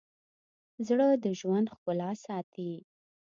زړه د ژوند ښکلا ساتي.